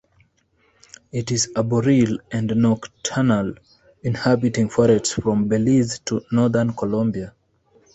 It is arboreal and nocturnal, inhabiting forests from Belize to northern Colombia.